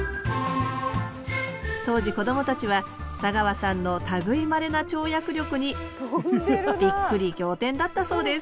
当時こどもたちは砂川さんの類いまれな跳躍力にびっくり仰天だったそうです